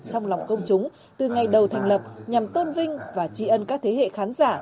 trong lòng công chúng từ ngày đầu thành lập nhằm tôn vinh và tri ân các thế hệ khán giả